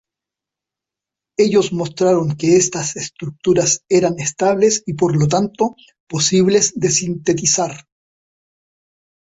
Ellos mostraron que estas estructuras eran estables y por lo tanto, posibles de sintetizar.